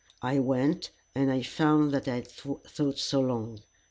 I went, and I found what I had sought so long.